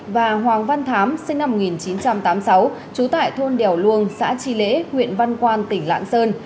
và hoàng văn thám sinh năm một nghìn chín trăm tám mươi sáu trú tại thôn đèo luông xã tri lễ huyện văn quan tỉnh lạng sơn